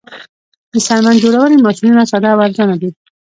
د څرمن جوړونې ماشینونه ساده او ارزانه دي